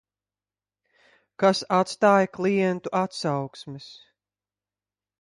Kas atstāj klientu atsauksmes?